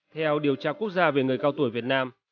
theo điều tra quốc gia về người cao tuổi việt nam